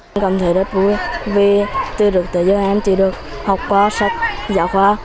em cảm thấy rất vui vì tôi được tới giữa em tôi được học khóa sách giáo khóa